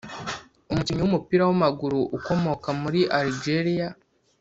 umukinnyi w’umupira w’amaguru ukomoka muri Algeria